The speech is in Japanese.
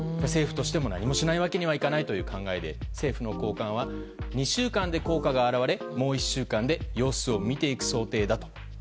政府としても何もしないわけにはいかないというわけで政府の高官は２週間で効果が表れもう１週間で様子を見ていく想定だと。